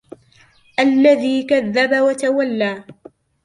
الذي كذب وتولى